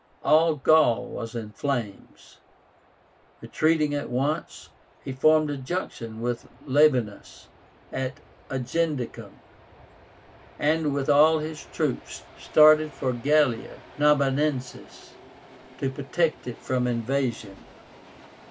All Gaul was in flames. Retreating at once, he formed a junction with Labiénus at Agendicum, and with all his troops started for Gallia Narbonensis to protect it from invasion.